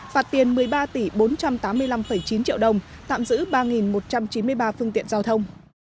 phạt tiền một mươi ba tỷ bốn trăm tám mươi năm chín triệu đồng tạm giữ ba một trăm chín mươi ba phương tiện giao thông